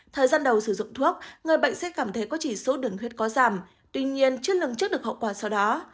thời gian đầu sử dụng thuốc người bệnh sẽ cảm thấy có chỉ số đường huyết có giảm tuy nhiên chất lượng chất được hậu quả sau đó